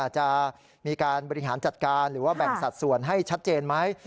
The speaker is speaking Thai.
จะมีการบริหารจัดการหรือว่าแบ่งสัดส่วนให้ชัดเจนไหม